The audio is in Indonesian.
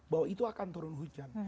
bahwa itu akan turun hujan